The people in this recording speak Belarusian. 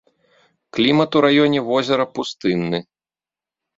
Клімат у раёне возера пустынны.